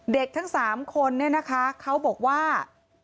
ทั้ง๓คนเนี่ยนะคะเขาบอกว่า